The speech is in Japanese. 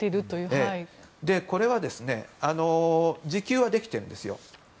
これは自給はできてるんですよ。